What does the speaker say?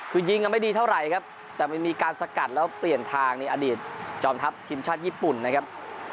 คือยิงกันไม่ดีเท่าไหร่ครับแต่มันมีการสกัดแล้วเปลี่ยนทางในอดีตจอมทัพทีมชาติญี่ปุ่นนะครับ